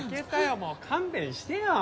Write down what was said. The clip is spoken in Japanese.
もう勘弁してよ。